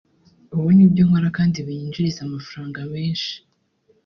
ubu nibyo nkora kandi binyinjiriza amafaranga menshi